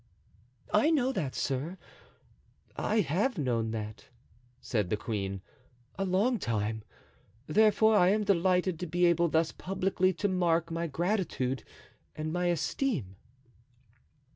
"I know that, sir; I have known that," said the queen, "a long time; therefore I am delighted to be able thus publicly to mark my gratitude and my esteem."